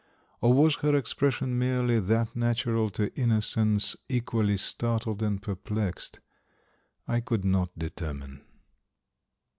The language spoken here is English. Or was her expression merely that natural to innocence equally startled and perplexed? I could not determine.